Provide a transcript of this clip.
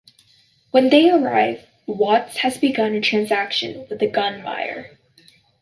When they arrive, Watts has begun a transaction with a gun buyer.